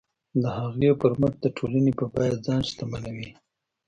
د هغې پر مټ د ټولنې په بیه ځان شتمنوي.